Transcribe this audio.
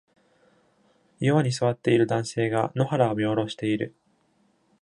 岩に座っている男性が野原を見下ろしている。